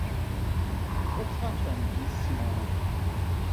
What Happened, Miss Simone?